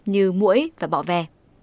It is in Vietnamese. như mũi và bọ vè